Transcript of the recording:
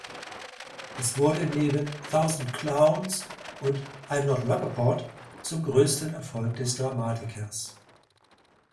Es wurde neben "Thousand Clowns" und "I’m not Rappaport" zum größten Erfolg des Dramatikers.